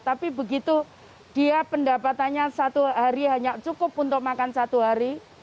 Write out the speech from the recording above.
tapi begitu dia pendapatannya satu hari hanya cukup untuk makan satu hari